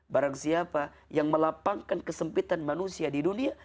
barang siapa yang melapangkan kesempitan manusia di dunia